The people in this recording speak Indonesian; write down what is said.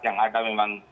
yang ada memang